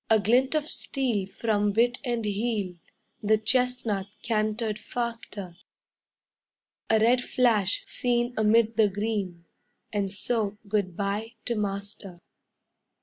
A glint of steel from bit and heel, The chestnut cantered faster; A red flash seen amid the green, And so good bye to master.